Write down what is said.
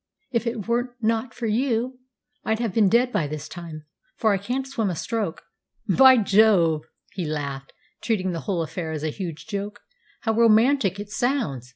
If it were not for you I'd have been dead by this time, for I can't swim a stroke." "By Jove!" he laughed, treating the whole affair as a huge joke, "how romantic it sounds!